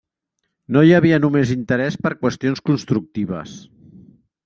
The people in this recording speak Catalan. No hi havia només interès per qüestions constructives.